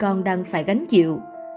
con đang phải gánh chịu